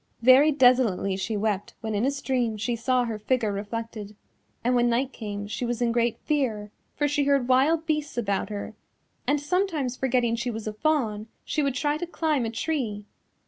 Very desolately she wept when in a stream she saw her figure reflected, and when night came she was in great fear, for she heard wild beasts about her, and sometimes forgetting she was a fawn she would try to climb a tree.